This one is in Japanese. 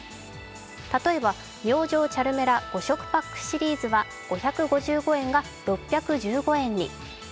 例えば、明星チャルメラ５食パックシリーズは５５５円が６１５円に。